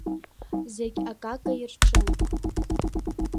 Зегь акака ирҿын.